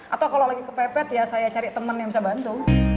atau kalau lagi kepepet ya saya cari teman yang bisa bantu